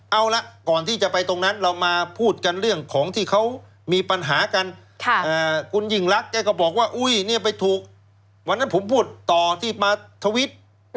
เอาละก่อนที่จะไปตรงนั้นเรามาพูดกันเรื่องของที่เขามีปัญหากันคุณยิ่งรักแกก็บอกว่าอุ้ยเนี่ยไปถูกวันนั้นผมพูดต่อที่มาทวิต